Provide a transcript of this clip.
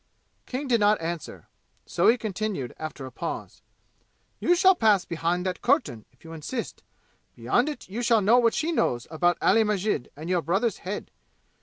King did not answer, so he continued after a pause. "You shall pass behind that curtain, if you insist. Beyond it you shall know what she knows about Ali Masjid and your brother's head!